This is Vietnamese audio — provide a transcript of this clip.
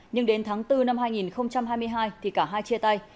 nhưng đến tháng bốn năm hai nghìn hai mươi hai thì cả hai chia tay